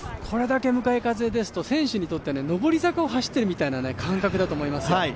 これだけ向かい風ですと、選手にとって上り坂を走っている感覚だと思いますよ。